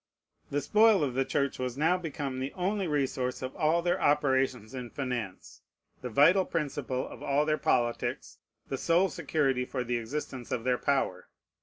The spoil of the Church was now become the only resource of all their operations in finance, the vital principle of all their politics, the sole security for the existence of their power.